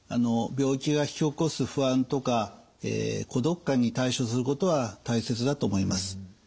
病気が引き起こす不安とか孤独感に対処することは大切だと思います。